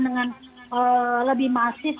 dengan lebih masif